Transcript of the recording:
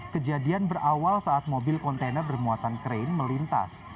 kejadian berawal saat mobil kontainer bermuatan krain melintas